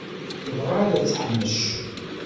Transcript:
Tebɣa ad t-teḥmec.